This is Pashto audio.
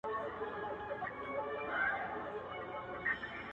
• او یوازي هغه څوک هلته پایېږي,